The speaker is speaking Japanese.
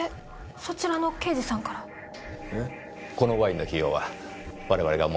このワインの費用は我々が持たせていただきます。